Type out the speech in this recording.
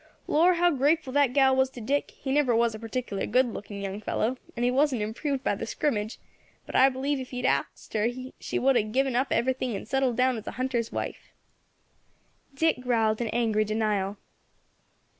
"Lor', how grateful that gal was to Dick; he never was a particular good looking young fellow, and he wasn't improved by the scrimmage, but I believe if he had axed her she would have given up everything and settled down as a hunter's wife." Dick growled an angry denial.